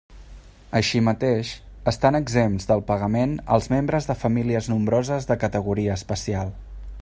Així mateix, estan exempts del pagament els membres de famílies nombroses de categoria especial.